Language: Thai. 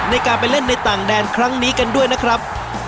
ในการไปเล่นในต่างแดนครั้งนี้กันด้วยนะครับ